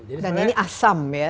dan ini asam ya